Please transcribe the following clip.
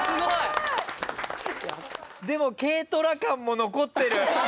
でも軽トラ感も残ってる！え！